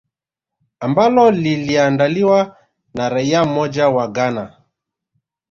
ambalo liliandaliwa na raia mmoja wa ghana